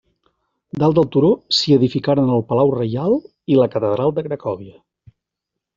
Dalt del turó, s'hi edificaren el Palau reial i la catedral de Cracòvia.